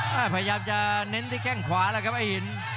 พยายามจะเน้นที่แข้งขวาแล้วครับไอ้หิน